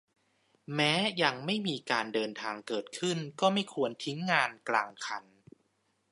แม้ยังไม่มีการเดินทางเกิดขึ้นก็ไม่ควรทิ้งงานกลางคัน